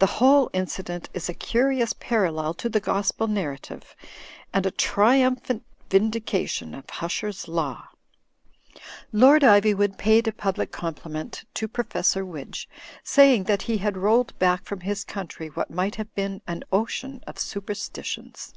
The whole incident is a curious parallel to the Gospel nar rative and a triumphant vindication of Huscher's law.'* Lord Ivywood paid a public compliment to Profes sor Widge, saying that he had rolled back from his coimtry what might have been an ocean of supersti tions.